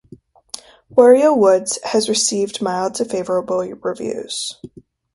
"Wario's Woods" has received mild to favorable reviews.